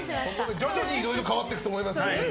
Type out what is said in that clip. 徐々にいろいろ変わっていくと思います。